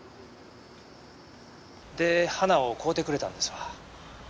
で花を買うてくれたんですわ。